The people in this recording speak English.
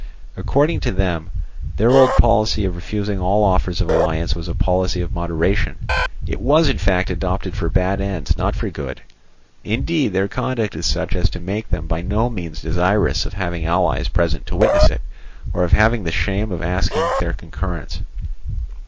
According to them, their old policy of refusing all offers of alliance was a policy of moderation. It was in fact adopted for bad ends, not for good; indeed their conduct is such as to make them by no means desirous of having allies present to witness it, or of having the shame of asking their concurrence.